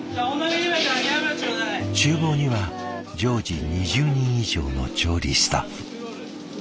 ちゅう房には常時２０人以上の調理スタッフ。